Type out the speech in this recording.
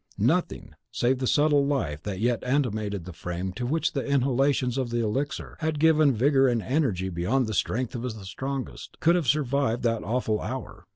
Nothing save the subtle life that yet animated the frame to which the inhalations of the elixir had given vigour and energy beyond the strength of the strongest, could have survived that awful hour.